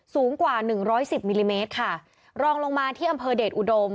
สูงกว่าหนึ่งร้อยสิบมิลลิเมตรค่ะรองลงมาที่อำเภอเดชอุดม